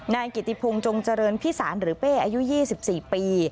นายกิติพงศ์จงเจริญพิสารหรือเป้อายุ๒๔ปี